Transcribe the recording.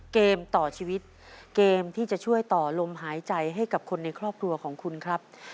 เกมต่อชีวิตเกมที่จะช่วยต่อลมหายใจให้กับคนในครอบครัวของคุณครับ